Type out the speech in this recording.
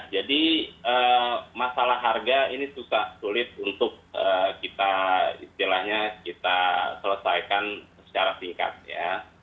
jadi masalah harga ini sulit untuk kita istilahnya kita selesaikan secara singkat ya